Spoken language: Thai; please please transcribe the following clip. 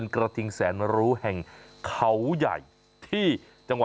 กระทิงเปรี้ยว